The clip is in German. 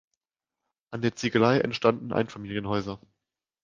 An der Ziegelei entstanden Einfamilienhäuser.